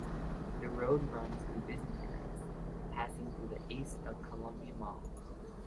The road runs through business areas, passing to the east of Columbia Mall.